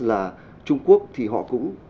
là trung quốc thì họ cũng